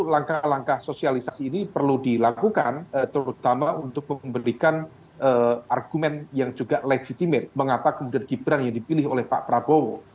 langkah langkah sosialisasi ini perlu dilakukan terutama untuk memberikan argumen yang juga legitimet mengapa kemudian gibran yang dipilih oleh pak prabowo